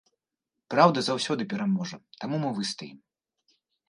Праўда заўсёды пераможа, таму мы выстаім.